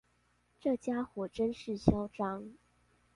這傢伙真是囂張